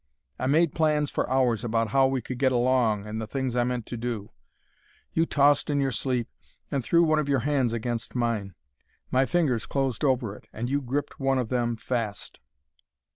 I made plans for hours about how we could get along and the things I meant to do. You tossed in your sleep, and threw one of your hands against mine. My fingers closed over it, and you gripped one of them fast.